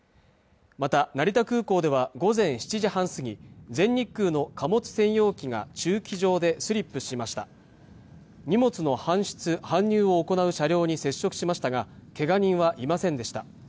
また成田空港では午前７時半過ぎ全日空の貨物専用機が駐機場でスリップしました荷物の搬出搬入を行う車両に接触しましたがけが人はいませんでした